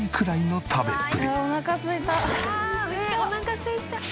「おなかすいちゃう」